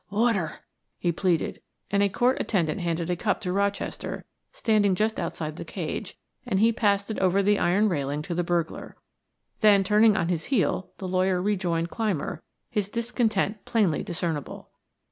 "Water," he pleaded, and a court attendant handed a cup to Rochester, standing just outside the cage, and he passed it over the iron railing to the burglar. Then turning on his heel the lawyer rejoined Clymer, his discontent plainly discernible.